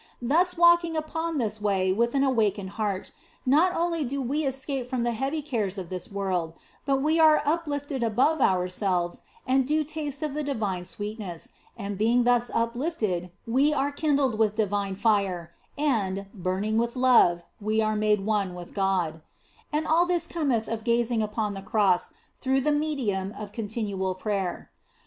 Thus walking upon this way with an awakened heart, not only do we escape from the heavy cares of this world, but we are uplifted above ourselves and do taste of the divine sweetness and being thus up lifted we are kindled with divine fire, and, burning with love, we are made one with God, And all this cometh of OF FOLIGNO 51 gazing upon the Cross through the medium of continual prayer.